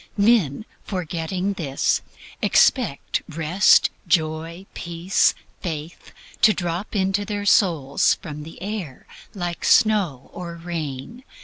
Men, forgetting this, expect Rest, Joy, Peace, Faith to drop into their souls from the air like snow or rain.